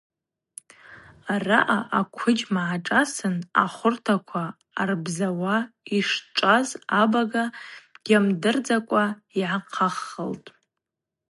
Араъа аквыджьма гӏашӏасын ахвыртаква арбзауа йшчӏваз абага йамдырдзакӏва йгӏахъаххытӏ.